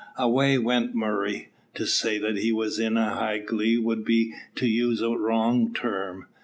Away went Murray. To say that he was in high glee would be to use a wrong term.